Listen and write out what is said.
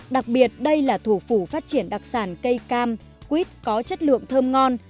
đặc biệt đây là thủ phủ phát triển đặc sản cây cam quýt có chất lượng thơm ngon